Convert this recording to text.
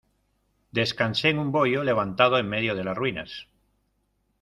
descansé en un bohío levantado en medio de las ruinas